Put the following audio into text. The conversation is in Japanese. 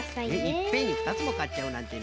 いっぺんにふたつもかっちゃうなんてね。